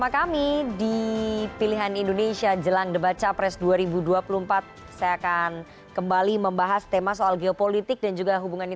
kita akan kembali setelah ini